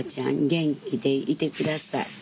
元気でいてください。